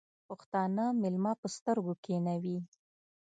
پښتانه مېلمه په سترگو کېنوي.